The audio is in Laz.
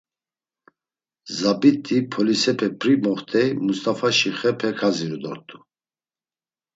Zabit̆i, polisepe p̌ri moxt̆ey Must̆afaşi xepe kaziru dort̆u.